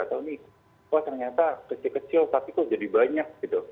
atau ini wah ternyata kecil kecil tapi kok jadi banyak gitu